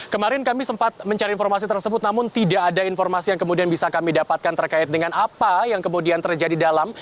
kemarin kami sempat mencari informasi tersebut namun tidak ada informasi yang kemudian bisa kami dapatkan terkait dengan apa yang kemudian terjadi dalam